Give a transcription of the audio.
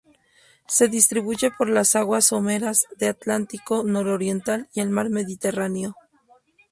Se distribuye por las aguas someras del Atlántico nororiental y el mar Mediterráneo.